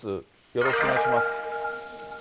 よろしくお願いします。